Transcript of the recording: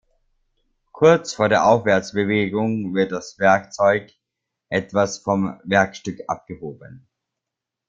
Kurz vor der Aufwärtsbewegung wird das Werkzeug etwas vom Werkstück abgehoben.